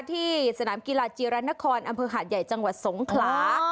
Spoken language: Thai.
ที่สนามกีฬาจีรนครอำเภอหาดใหญ่จังหวัดสงขลา